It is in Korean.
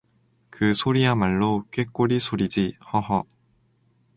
그 소리야말로 꾀꼬리 소리지, 허허!